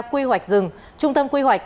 quy hoạch rừng trung tâm quy hoạch